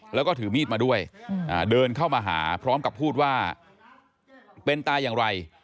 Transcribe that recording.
แล้วก็ถือมีดมาด้วยเดินเข้ามาหาพร้อมกับพูดว่าเป็นตายอย่างไร